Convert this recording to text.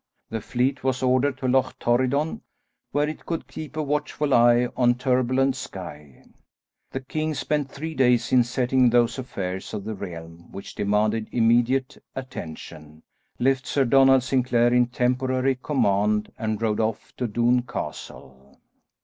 The fleet was ordered to Loch Torridon, where it could keep a watchful eye on turbulent Skye. The king spent three days in settling those affairs of the realm which demanded immediate attention, left Sir Donald Sinclair in temporary command, and rode off to Doune Castle.